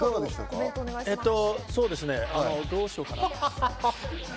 そうですね、どうしようかな。